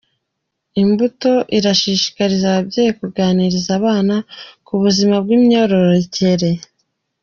Imbuto irashishikariza ababyeyi kuganira n’abana ku buzima bw’imyororokere